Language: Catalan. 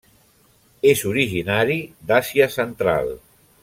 És originari d'Àsia central.